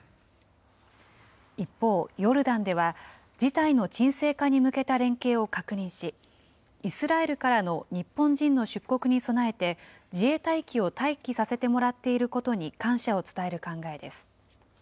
一方、ヨルダンでは事態の沈静化に向けた連携を確認し、イスラエルからの日本人の出国に備えて、自衛隊機を待機させてもらっていることに感謝を伝える考えです。